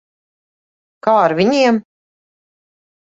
Kā ar viņiem?